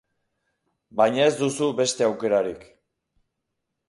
Baina ez duzu beste aukerarik.